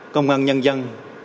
công an nhân dân